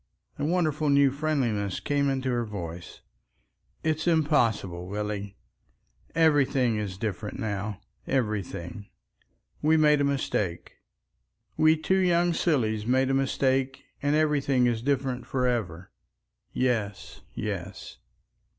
A wonderful new friendliness came into her voice. "It's impossible, Willie. Everything is different now—everything. We made a mistake. We two young sillies made a mistake and everything is different for ever. Yes, yes."